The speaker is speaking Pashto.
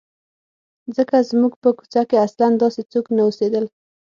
ځکه زموږ په کوڅه کې اصلاً داسې څوک نه اوسېدل.